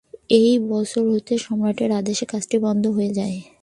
এ বছর হতে সম্রাটের আদেশে কাজটি বন্ধ হয়ে যায়।